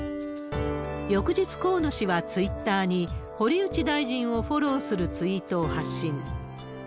翌日、河野氏はツイッターに、堀内大臣をフォローするツイートを発信。